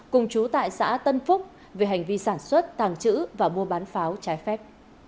cùng chú tại xã tân phúc về hành vi sản xuất tàng trữ và mua bán pháo trái phép